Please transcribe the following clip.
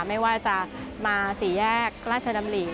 ไม่ว่าจะมาสี่แยกราชดำริ